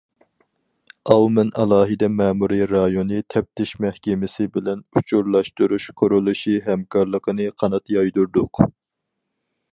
ئاۋمېن ئالاھىدە مەمۇرىي رايونى تەپتىش مەھكىمىسى بىلەن ئۇچۇرلاشتۇرۇش قۇرۇلۇشى ھەمكارلىقىنى قانات يايدۇردۇق.